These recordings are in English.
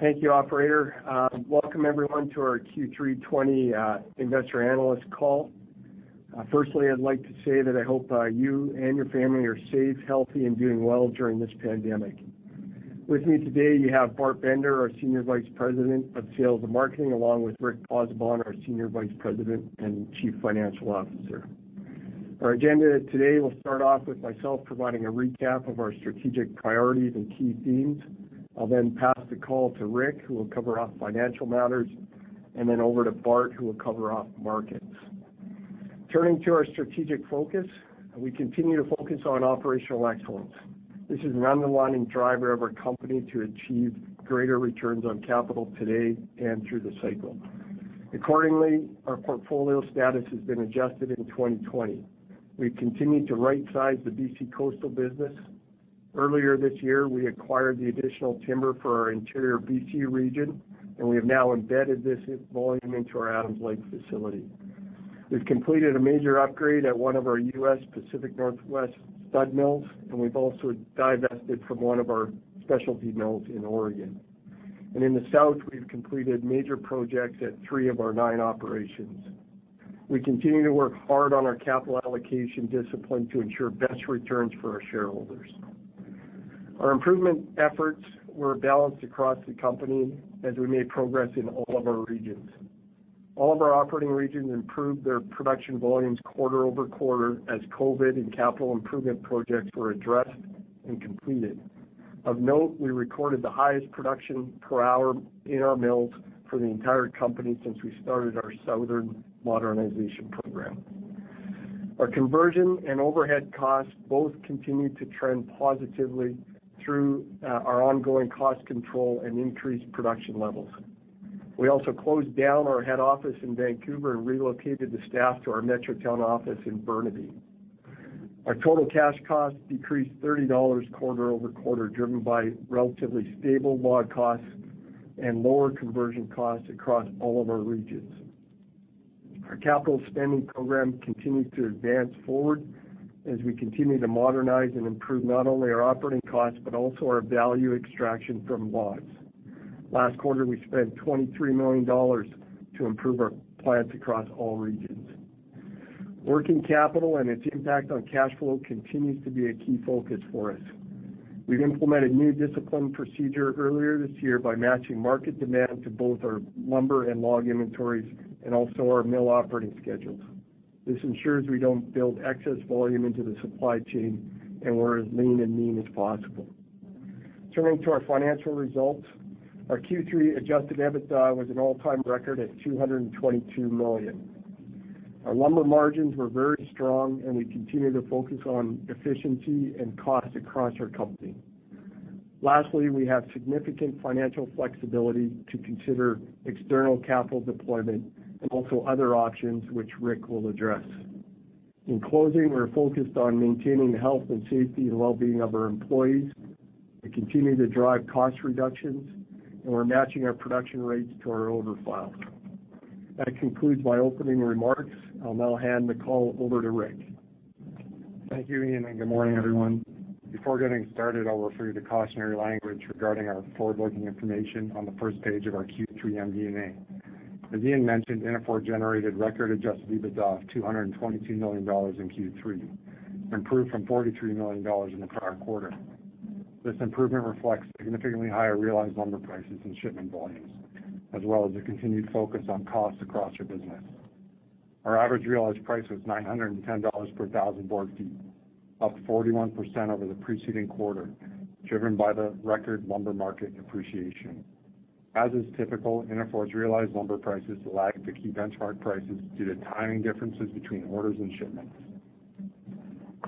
Thank you, operator. Welcome everyone to our Q3 2020 investor analyst call. Firstly, I'd like to say that I hope you and your family are safe, healthy, and doing well during this pandemic. With me today, you have Bart Bender, our Senior Vice President of Sales and Marketing, along with Rick Pozzebon, our Senior Vice President and Chief Financial Officer. Our agenda today will start off with myself providing a recap of our strategic priorities and key themes. I'll then pass the call to Rick, who will cover off financial matters, and then over to Bart, who will cover off markets. Turning to our strategic focus, we continue to focus on operational excellence. This is an underlying driver of our company to achieve greater returns on capital today and through the cycle. Accordingly, our portfolio status has been adjusted in 2020. We've continued to right size the BC coastal business. Earlier this year, we acquired the additional timber for our interior BC region, and we have now embedded this volume into our Adams Lake facility. We've completed a major upgrade at one of our U.S. Pacific Northwest stud mills, and we've also divested from one of our specialty mills in Oregon. In the South, we've completed major projects at three of our nine operations. We continue to work hard on our capital allocation discipline to ensure best returns for our shareholders. Our improvement efforts were balanced across the company as we made progress in all of our regions. All of our operating regions improved their production volumes quarter-over-quarter, as COVID and capital improvement projects were addressed and completed. Of note, we recorded the highest production per hour in our mills for the entire company since we started our Southern Modernization program. Our conversion and overhead costs both continued to trend positively through our ongoing cost control and increased production levels. We also closed down our head office in Vancouver and relocated the staff to our Metrotown office in Burnaby. Our total cash costs decreased 30 dollars quarter-over-quarter, driven by relatively stable log costs and lower conversion costs across all of our regions. Our capital spending program continues to advance forward as we continue to modernize and improve not only our operating costs, but also our value extraction from logs. Last quarter, we spent 23 million dollars to improve our plants across all regions. Working capital and its impact on cash flow continues to be a key focus for us. We've implemented new discipline procedure earlier this year by matching market demand to both our lumber and log inventories and also our mill operating schedules. This ensures we don't build excess volume into the supply chain, and we're as lean and mean as possible. Turning to our financial results, our Q3 Adjusted EBITDA was an all-time record at 222 million. Our lumber margins were very strong, and we continue to focus on efficiency and cost across our company. Lastly, we have significant financial flexibility to consider external capital deployment and also other options, which Rick will address. In closing, we're focused on maintaining the health and safety and well-being of our employees. We continue to drive cost reductions, and we're matching our production rates to our order file. That concludes my opening remarks. I'll now hand the call over to Rick. Thank you, Ian, and good morning, everyone. Before getting started, I'll refer you to cautionary language regarding our forward-looking information on the first page of our Q3 MD&A. As Ian mentioned, Interfor generated record Adjusted EBITDA of 222 million dollars in Q3, improved from 43 million dollars in the prior quarter. This improvement reflects significantly higher realized lumber prices and shipment volumes, as well as a continued focus on costs across our business. Our average realized price was 910 dollars per thousand board feet, up 41% over the preceding quarter, driven by the record lumber market appreciation. As is typical, Interfor's realized lumber prices lag the key benchmark prices due to timing differences between orders and shipments.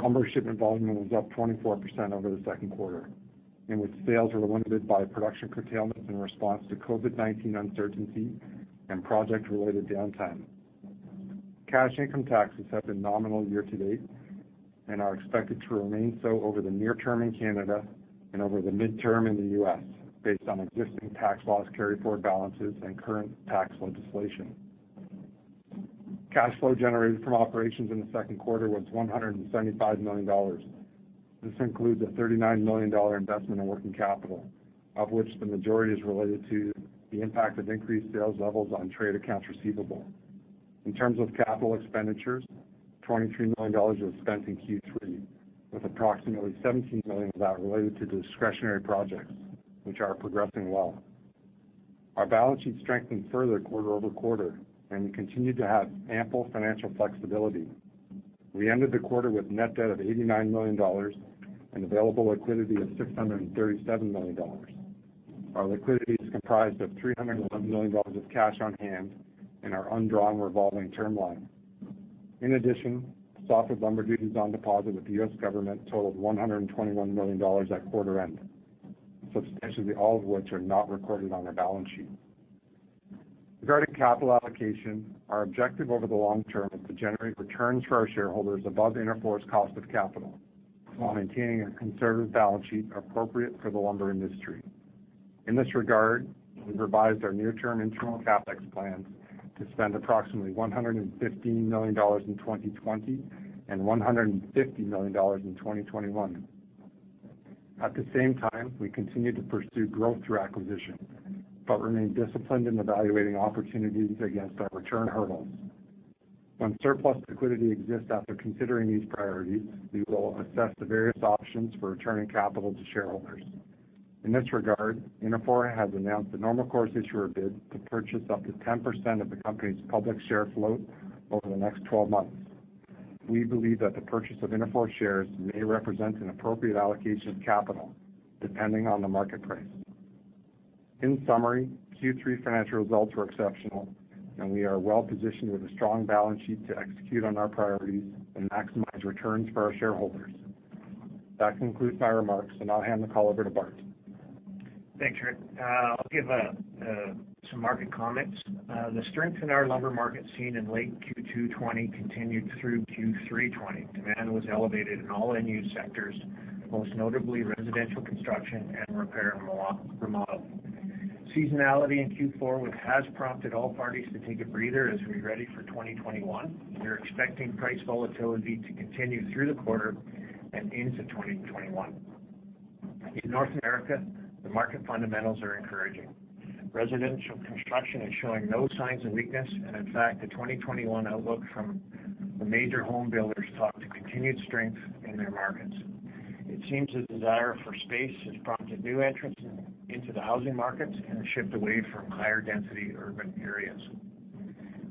Lumber shipment volume was up 24% over the second quarter, in which sales were limited by production curtailment in response to COVID-19 uncertainty and project-related downtime. Cash income taxes have been nominal year-to-date and are expected to remain so over the near term in Canada and over the midterm in the U.S., based on existing tax laws, carryforward balances, and current tax legislation. Cash flow generated from operations in the second quarter was 175 million dollars. This includes a 39 million dollar investment in working capital, of which the majority is related to the impact of increased sales levels on trade accounts receivable. In terms of capital expenditures, 23 million dollars was spent in Q3, with approximately 17 million of that related to discretionary projects, which are progressing well. Our balance sheet strengthened further quarter-over-quarter, and we continue to have ample financial flexibility. We ended the quarter with net debt of 89 million dollars and available liquidity of 637 million dollars. Our liquidity is comprised of 311 million dollars of cash on hand and our undrawn revolving term line. In addition, softwood lumber duties on deposit with the U.S. government totaled 121 million dollars at quarter end, substantially all of which are not recorded on our balance sheet. Regarding capital allocation, our objective over the long term is to generate returns for our shareholders above Interfor's cost of capital, while maintaining a conservative balance sheet appropriate for the lumber industry. In this regard, we've revised our near-term internal CapEx plans to spend approximately 115 million dollars in 2020 and 150 million dollars in 2021. At the same time, we continue to pursue growth through acquisition, but remain disciplined in evaluating opportunities against our return hurdles. When surplus liquidity exists after considering these priorities, we will assess the various options for returning capital to shareholders. In this regard, Interfor has announced a normal course issuer bid to purchase up to 10% of the company's public share float over the next 12 months. We believe that the purchase of Interfor shares may represent an appropriate allocation of capital, depending on the market price. In summary, Q3 financial results were exceptional, and we are well positioned with a strong balance sheet to execute on our priorities and maximize returns for our shareholders. That concludes my remarks, and I'll hand the call over to Bart. Thanks, Rick. I'll give some market comments. The strength in our lumber market seen in late Q2 2020 continued through Q3 2020. Demand was elevated in all end-use sectors, most notably residential construction and repair and remodel. Seasonality in Q4, which has prompted all parties to take a breather as we ready for 2021. We're expecting price volatility to continue through the quarter and into 2021. In North America, the market fundamentals are encouraging. Residential construction is showing no signs of weakness, and in fact, the 2021 outlook from the major home builders talk to continued strength in their markets. It seems the desire for space has prompted new entrants into the housing markets and a shift away from higher density urban areas.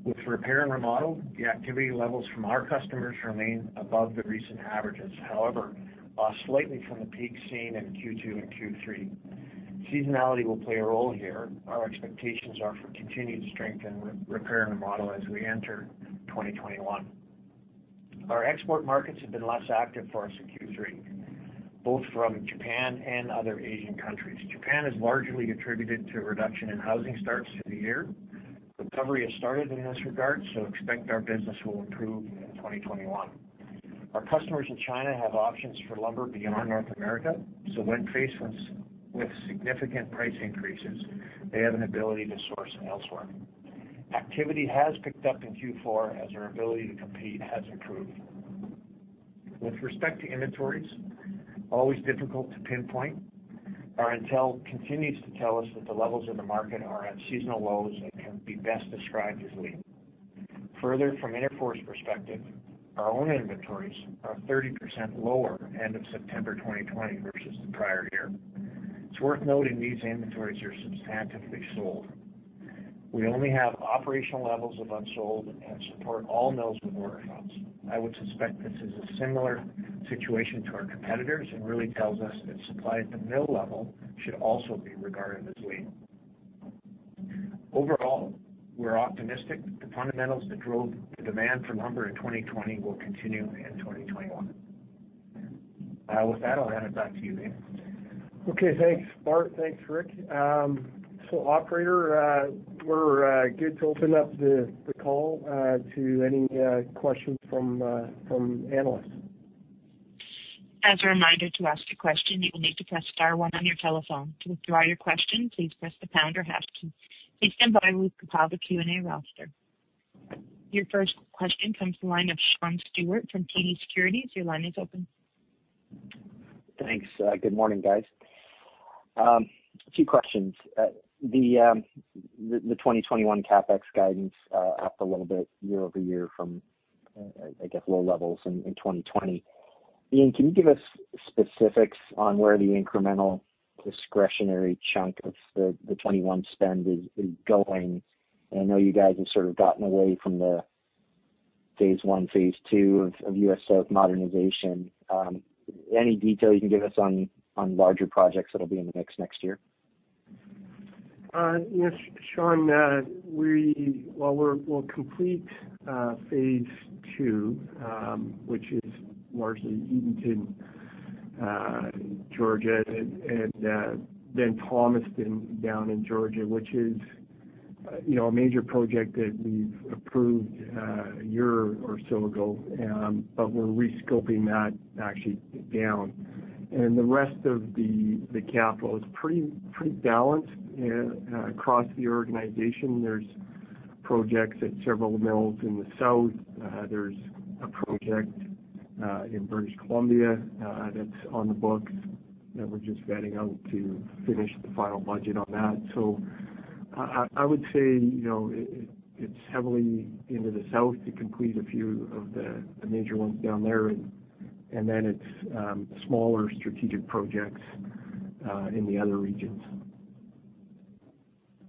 With repair and remodel, the activity levels from our customers remain above the recent averages, however, slightly from the peak seen in Q2 and Q3. Seasonality will play a role here. Our expectations are for continued strength in repair and remodel as we enter 2021. Our export markets have been less active for us in Q3, both from Japan and other Asian countries. Japan is largely attributed to a reduction in housing starts through the year. Recovery has started in this regard, so expect our business will improve in 2021. Our customers in China have options for lumber beyond North America, so when faced with significant price increases, they have an ability to source them elsewhere. Activity has picked up in Q4 as our ability to compete has improved. With respect to inventories, always difficult to pinpoint, our intel continues to tell us that the levels in the market are at seasonal lows and can be best described as lean. Further, from Interfor's perspective, our own inventories are 30% lower end of September 2020 versus the prior year. It's worth noting these inventories are substantively sold. We only have operational levels of unsold and support all mills with work accounts. I would suspect this is a similar situation to our competitors and really tells us that supply at the mill level should also be regarded as lean. Overall, we're optimistic that the fundamentals that drove the demand for lumber in 2020 will continue in 2021. With that, I'll hand it back to you, Ian. Okay, thanks, Bart. Thanks, Rick. So, operator, we're good to open up the call to any questions from analysts. As a reminder, to ask a question, you will need to press star one on your telephone. To withdraw your question, please press the pound or hash key. Please stand by. We'll compile the Q&A roster. Your first question comes from the line of Sean Steuart from TD Securities. Your line is open. Thanks. Good morning, guys. Two questions. The 2021 CapEx guidance, up a little bit year-over-year from, I guess, low levels in 2020. Ian, can you give us specifics on where the incremental discretionary chunk of the 2021 spend is going? And I know you guys have sort of gotten away from the phase I, phase II of U.S. South modernization. Any detail you can give us on larger projects that'll be in the mix next year? Yes, Sean, well, we'll complete phase II, which is largely Eatonton, Georgia, and then Thomaston down in Georgia, which is, you know, a major project that we've approved a year or so ago. But we're re-scoping that actually down. And the rest of the capital is pretty balanced across the organization. There's projects at several mills in the South. There's a project in British Columbia that's on the books, that we're just vetting out to finish the final budget on that. So I would say, you know, it's heavily into the South to complete a few of the major ones down there, and then it's smaller strategic projects in the other regions.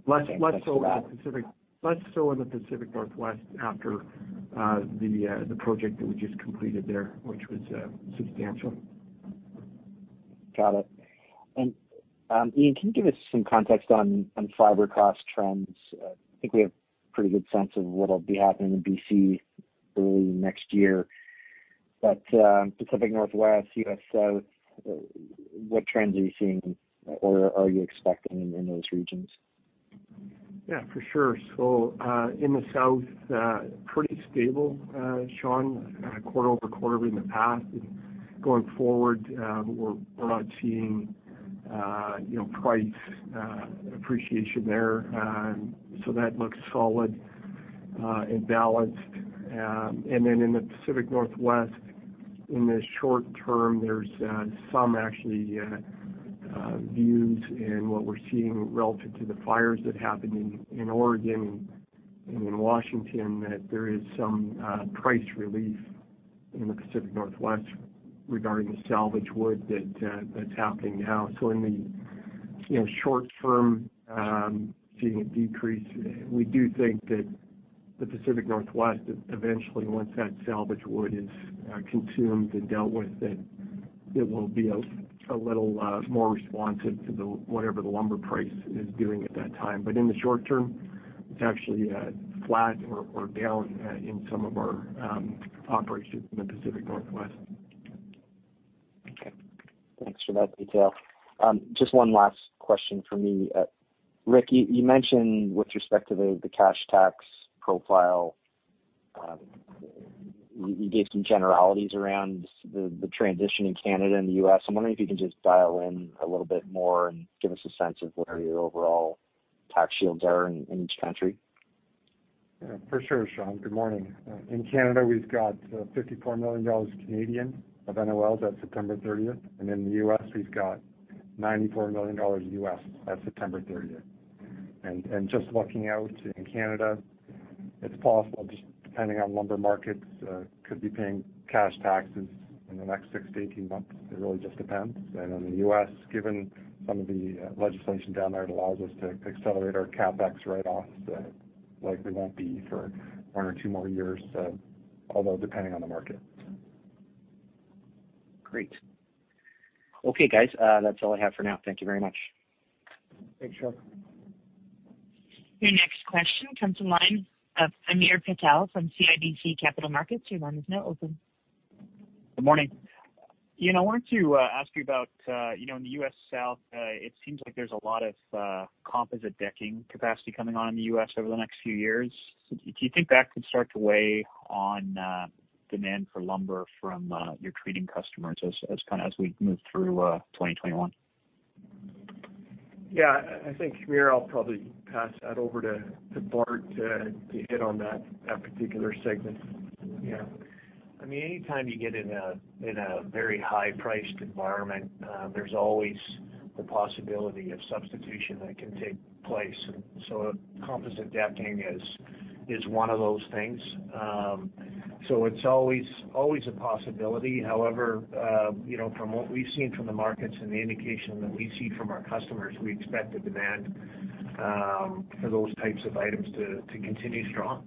Thanks for that. Less so in the Pacific Northwest after the project that we just completed there, which was substantial. Got it. And, Ian, can you give us some context on fiber cost trends? I think we have a pretty good sense of what'll be happening in BC early next year. But, Pacific Northwest, U.S. South, what trends are you seeing or are you expecting in those regions? Yeah, for sure. So, in the South, pretty stable, Sean, quarter over quarter in the past. And going forward, we're, we're not seeing, you know, price appreciation there. So that looks solid, and balanced. And then in the Pacific Northwest, in the short term, there's some actually news in what we're seeing relative to the fires that happened in Oregon and in Washington, that there is some price relief in the Pacific Northwest regarding the salvage wood that's happening now. So in the, you know, short term, seeing a decrease, we do think that the Pacific Northwest, eventually, once that salvage wood is consumed and dealt with, that it will be a little more responsive to the whatever the lumber price is doing at that time. But in the short term, it's actually flat or down in some of our operations in the Pacific Northwest. Okay. Thanks for that detail. Just one last question for me. Rick, you mentioned with respect to the cash tax profile, you gave some generalities around the transition in Canada and the U.S. I'm wondering if you can just dial in a little bit more and give us a sense of where your overall tax shields are in each country? Yeah, for sure, Sean. Good morning. In Canada, we've got 54 million Canadian dollars of NOLs at September 30th, and in the U.S., we've got $94 million of NOLs at September 30th. And just looking out in Canada, it's possible, just depending on lumber markets, could be paying cash taxes in the next 6-18 months. It really just depends. And in the U.S., given some of the legislation down there, it allows us to accelerate our CapEx write-offs, likely won't be for one or two more years, although depending on the market. Great. Okay, guys, that's all I have for now. Thank you very much. Thanks, Sean. Your next question comes from the line of Hamir Patel from CIBC Capital Markets. Your line is now open. Good morning. Ian, I wanted to ask you about, you know, in the U.S. South, it seems like there's a lot of composite decking capacity coming on in the U.S. over the next few years. Do you think that could start to weigh on demand for lumber from your treating customers as kind of as we move through 2021? Yeah, I think, Hamir, I'll probably pass that over to Bart to hit on that particular segment. Yeah. I mean, anytime you get in a very high-priced environment, there's always the possibility of substitution that can take place. So composite decking is one of those things. So it's always a possibility. However, you know, from what we've seen from the markets and the indication that we see from our customers, we expect the demand for those types of items to continue strong.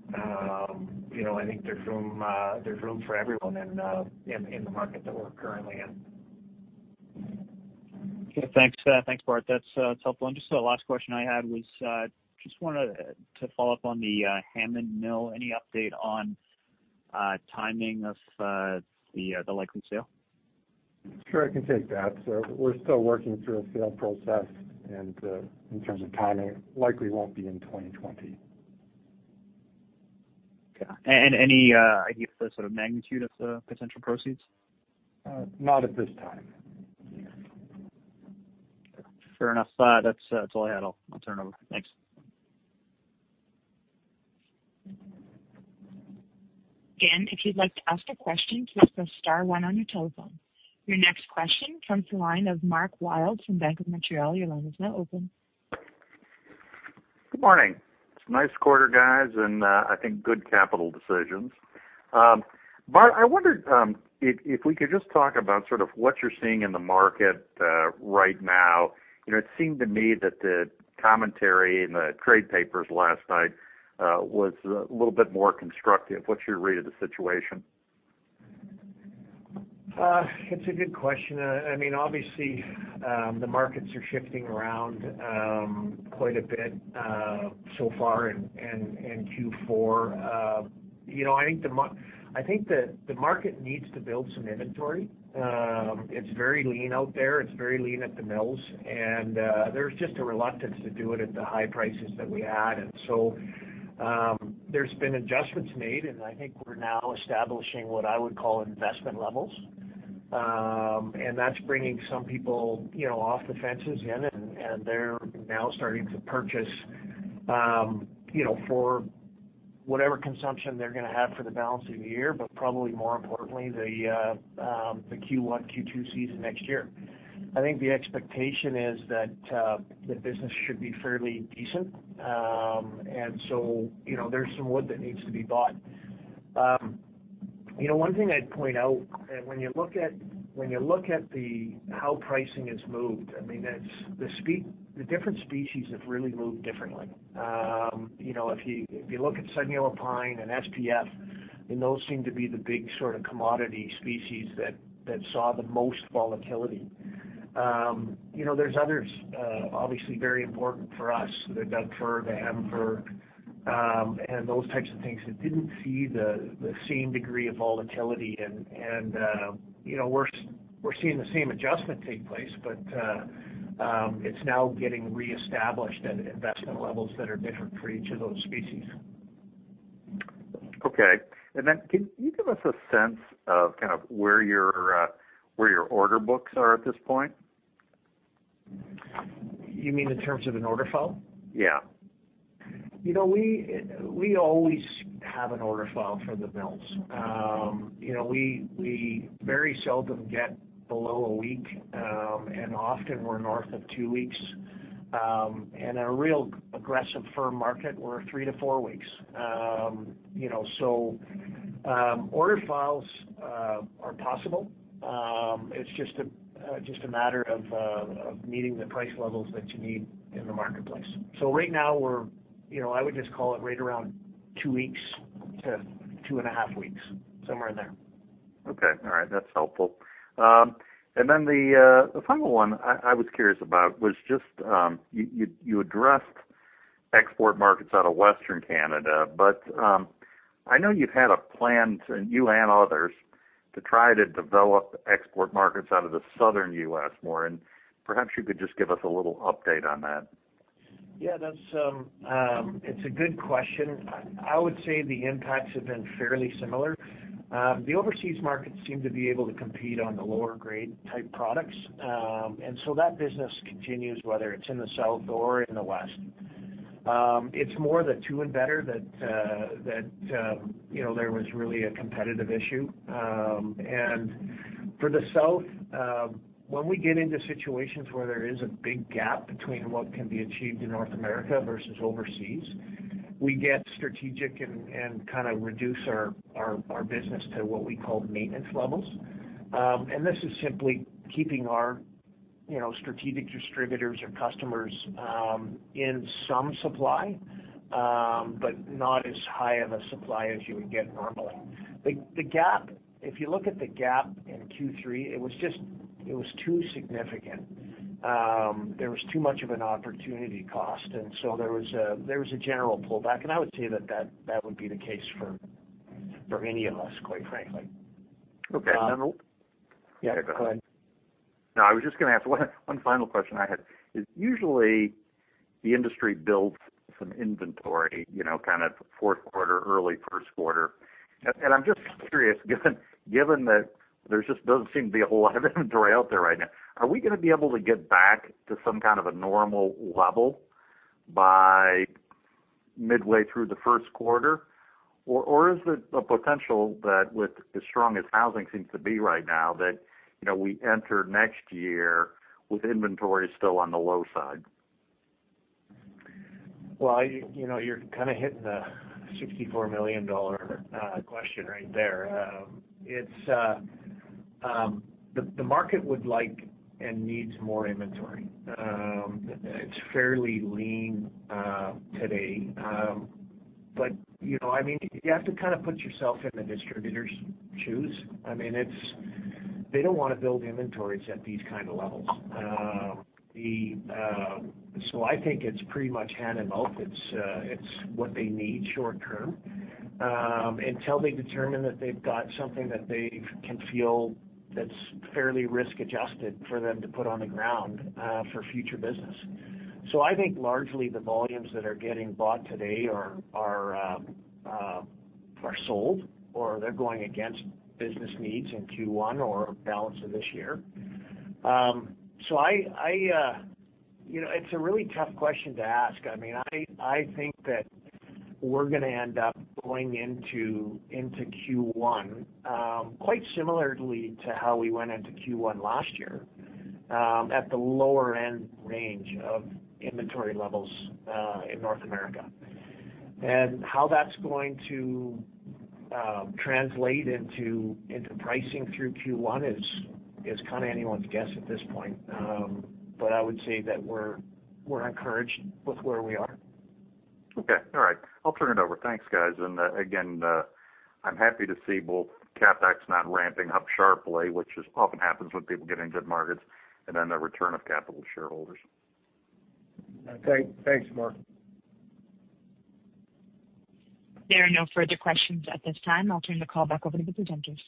You know, I think there's room, there's room for everyone in the market that we're currently in. Okay, thanks for that. Thanks, Bart. That's helpful. And just the last question I had was, just wanted to follow up on the Hammond Mill. Any update on timing of the likely sale? Sure, I can take that. So we're still working through a sale process, and, in terms of timing, likely won't be in 2020. Okay. And any idea of the sort of magnitude of the potential proceeds? Not at this time. Fair enough. That's all I had. I'll turn it over. Thanks. Again, if you'd like to ask a question, please press star one on your telephone. Your next question comes from the line of Mark Wilde from Bank of Montreal. Your line is now open. Good morning. Nice quarter, guys, and I think good capital decisions. Bart, I wondered if we could just talk about sort of what you're seeing in the market right now. You know, it seemed to me that the commentary in the trade papers last night was a little bit more constructive. What's your read of the situation? It's a good question. I mean, obviously, the markets are shifting around quite a bit so far in Q4. You know, I think the market needs to build some inventory. It's very lean out there. It's very lean at the mills, and there's just a reluctance to do it at the high prices that we had. And so, there's been adjustments made, and I think we're now establishing what I would call investment levels. And that's bringing some people, you know, off the fences, and they're now starting to purchase, you know, for whatever consumption they're gonna have for the balance of the year, but probably more importantly, the Q1, Q2 season next year. I think the expectation is that the business should be fairly decent. And so, you know, there's some wood that needs to be bought. You know, one thing I'd point out, and when you look at, when you look at how pricing has moved, I mean, that's the different species have really moved differently. You know, if you look at Southern Yellow Pine and SPF, and those seem to be the big sort of commodity species that saw the most volatility. You know, there's others, obviously very important for us, the Doug Fir, the Hem-Fir, and those types of things that didn't see the same degree of volatility. And, you know, we're seeing the same adjustment take place, but it's now getting reestablished at investment levels that are different for each of those species. Okay. Then can you give us a sense of kind of where your order books are at this point? You mean in terms of an order file? Yeah. You know, we always have an order file for the mills. You know, we very seldom get below a week, and often we're north of 2 weeks. In a real aggressive firm market, we're 3-4 weeks. You know, order files are possible. It's just a matter of meeting the price levels that you need in the marketplace. So right now we're, you know, I would just call it right around 2 weeks to 2.5 weeks, somewhere in there. Okay. All right. That's helpful. And then the final one I was curious about was just you addressed export markets out of Western Canada, but I know you've had a plan to you and others to try to develop export markets out of the Southern U.S. more, and perhaps you could just give us a little update on that. Yeah, that's... It's a good question. I would say the impacts have been fairly similar. The overseas markets seem to be able to compete on the lower grade type products. And so that business continues, whether it's in the south or in the west. It's more the two and better that you know, there was really a competitive issue. And for the south, when we get into situations where there is a big gap between what can be achieved in North America versus overseas, we get strategic and kind of reduce our business to what we call maintenance levels. And this is simply keeping our, you know, strategic distributors or customers in some supply, but not as high of a supply as you would get normally. The gap, if you look at the gap in Q3, it was too significant. There was too much of an opportunity cost, and so there was a general pullback, and I would say that would be the case for any of us, quite frankly. Okay, and then will- Yeah, go ahead. No, I was just gonna ask one final question I had is, usually the industry builds some inventory, you know, kind of fourth quarter, early first quarter. And I'm just curious, given that there just doesn't seem to be a whole lot of inventory out there right now, are we gonna be able to get back to some kind of a normal level by midway through the first quarter? Or is it a potential that with as strong as housing seems to be right now, that, you know, we enter next year with inventory still on the low side? Well, you know, you're kind of hitting the 64 million dollar question right there. The market would like and needs more inventory. It's fairly lean today. But, you know, I mean, you have to kind of put yourself in the distributor's shoes. I mean, it's... They don't wanna build inventories at these kind of levels. So I think it's pretty much hand to mouth. It's what they need short term, until they determine that they've got something that they can feel that's fairly risk-adjusted for them to put on the ground for future business. So I think largely the volumes that are getting bought today are sold or they're going against business needs in Q1 or balance of this year. So I, you know, it's a really tough question to ask. I mean, I think that we're gonna end up going into Q1 quite similarly to how we went into Q1 last year at the lower end range of inventory levels in North America. And how that's going to translate into pricing through Q1 is kind of anyone's guess at this point. But I would say that we're encouraged with where we are. Okay. All right. I'll turn it over. Thanks, guys. And, again, I'm happy to see both CapEx not ramping up sharply, which is often happens when people get into markets, and then the return of capital to shareholders. Great. Thanks, Mark. There are no further questions at this time. I'll turn the call back over to the presenters.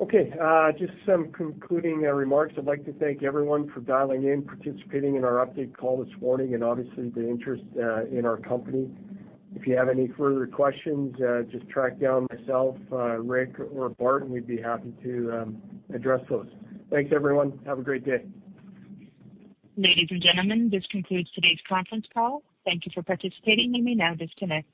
Okay, just some concluding remarks. I'd like to thank everyone for dialing in, participating in our update call this morning, and obviously the interest in our company. If you have any further questions, just track down myself, Rick, or Bart, and we'd be happy to address those. Thanks, everyone. Have a great day. Ladies and gentlemen, this concludes today's conference call. Thank you for participating. You may now disconnect.